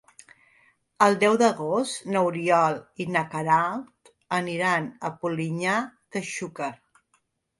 El deu d'agost n'Oriol i na Queralt aniran a Polinyà de Xúquer.